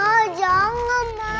ma jangan ma